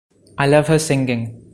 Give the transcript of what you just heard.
I love her singing.